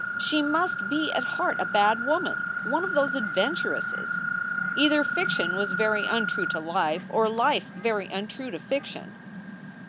She must be at heart a bad woman; one of those adventuresses. Either fiction was very untrue to life, or life very untrue to fiction.